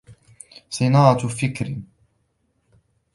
صِنَاعَةٌ فِكْرٍ